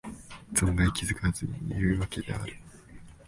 存外気がつかずにいるわけである